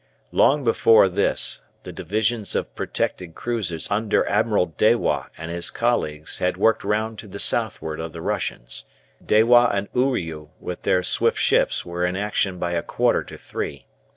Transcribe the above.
Long before this the divisions of protected cruisers under Admiral Dewa and his colleagues had worked round to the southward of the Russians. Dewa and Uriu, with their swift ships, were in action by a quarter to three.